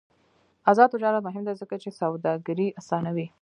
آزاد تجارت مهم دی ځکه چې سوداګري اسانوي.